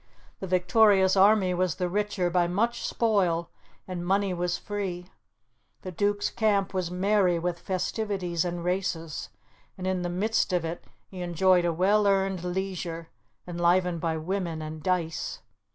The victorious army was the richer by much spoil, and money was free; the Duke's camp was merry with festivities and races, and in the midst of it he enjoyed a well earned leisure, enlivened by women and dice.